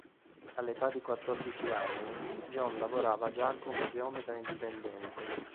All'età di quattordici anni, John lavorava già come geometra indipendente.